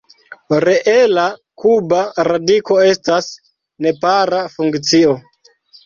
Reela kuba radiko estas nepara funkcio.